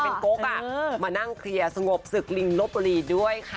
แล้วมานั่งเครียร์สงบศึกลิงลบลีด้วยค่ะ